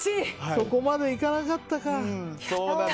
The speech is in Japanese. そこまで行かなかったか。